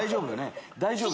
次大丈夫。